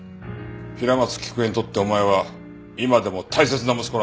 平松喜久恵にとってお前は今でも大切な息子なんだ。